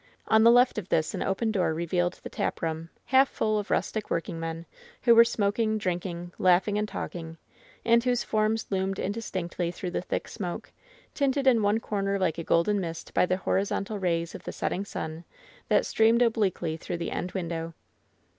On the left of this an open door revealed the tap room, half full of rustic workingmen, who were smoking, drinking, laughing and talking, and whose forms loomed indistinctly through the thick smoke, tinted in one comer like a golden mist by the horizontal rays of the setting sun that streamed obliquely through the end window.